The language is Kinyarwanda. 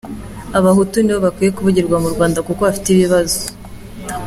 Abahutu ni bo bakwiye kuvugirwa mu Rwanda kuko bafite ibibazo.